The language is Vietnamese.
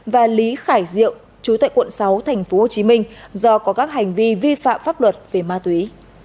và lý khải diệu chú tại quận sáu tp hcm do có các hành vi vi phạm pháp luật về ma túy